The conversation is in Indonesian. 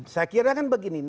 saya kira kan begini